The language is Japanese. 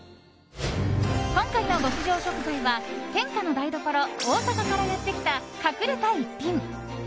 今回の極上食座は天下の台所・大阪からやってきた隠れた逸品。